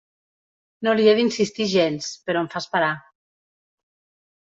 No li he d'insistir gens, però em fa esperar.